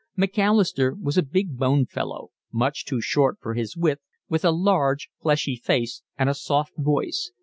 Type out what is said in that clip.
Macalister was a big boned fellow, much too short for his width, with a large, fleshy face and a soft voice.